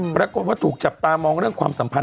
ปรากฏว่าถูกจับตามองเรื่องความสัมพันธ